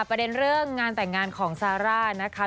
ประเด็นเรื่องงานแต่งงานของซาร่านะคะ